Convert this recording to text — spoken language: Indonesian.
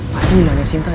pasti ilahnya sinta